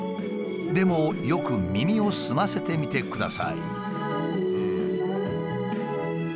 でもよく耳を澄ませてみてください。